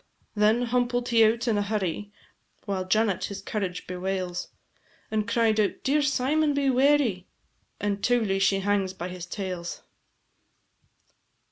Then humpled he out in a hurry, While Janet his courage bewails, And cried out, "Dear Symon, be wary!" And teughly she hang by his tails.